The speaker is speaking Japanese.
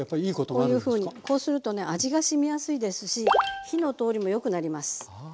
こうするとね味がしみやすいですし火の通りもよくなります。